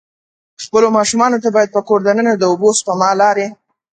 خپلو ماشومان ته باید په کور د ننه د اوبه سپما لارې.